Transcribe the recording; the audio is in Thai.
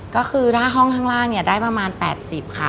ก็คือถ้าห้องข้างล่างเนี่ยได้ประมาณ๘๐ค่ะ